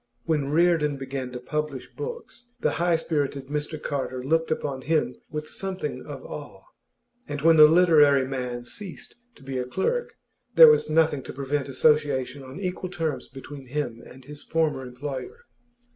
When Reardon began to publish books, the high spirited Mr Carter looked upon him with something of awe; and when the literary man ceased to be a clerk, there was nothing to prevent association on equal terms between him and his former employer.